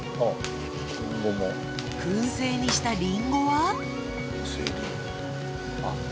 燻製にしたリンゴは？